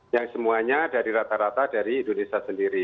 yang semuanya dari rata rata dari indonesia sendiri